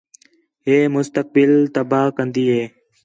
ہِے مستقبل تباہ کندی ہِے